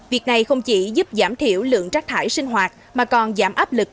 việc này không chỉ giúp giảm thiểu lượng rác thải sinh hoạt mà còn giảm áp lực